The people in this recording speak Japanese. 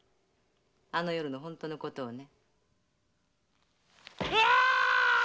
あの夜の本当のことをね。